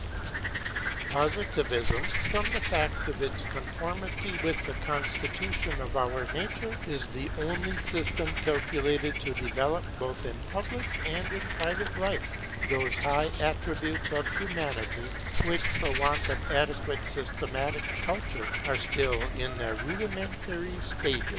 The Heart and the Intellect mutually strengthen each other] Positivism, from the fact of its conformity with the constitution of our nature, is the only system calculated to develop, both in public and in private life, those high attributes of Humanity which, for want of adequate systematic culture, are still in their rudimentary stage.